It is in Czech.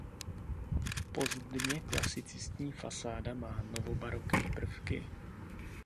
Pozdně klasicistní fasáda má novobarokní prvky.